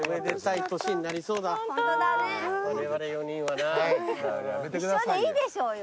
一緒でいいでしょうよ。